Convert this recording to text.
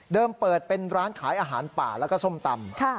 เปิดเป็นร้านขายอาหารป่าแล้วก็ส้มตำ